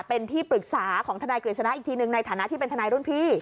เป็นที่ปรึกษาของทนายกฤษณะอีกทีหนึ่งในฐานะที่เป็นทนายรุ่นพี่